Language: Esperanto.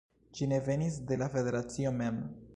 Ĝi ne venis de la federacio mem